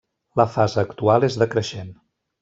La fase actual és decreixent.